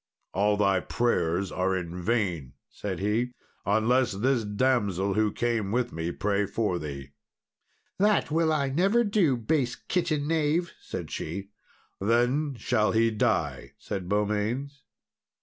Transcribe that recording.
"All thy prayers are vain," said he, "unless this damsel who came with me pray for thee." "That will I never do, base kitchen knave," said she. "Then shall he die," said Beaumains.